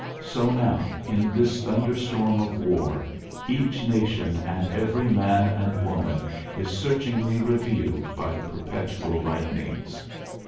So now, in this thunderstorm of war, each nation and every man and woman is searchingly revealed by the perpetual lightnings.